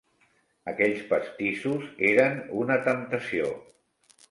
Aquells pastissos eren una temptació.